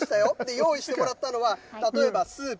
用意してもらったのは、例えばスープ。